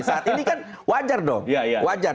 saat ini kan wajar dong wajar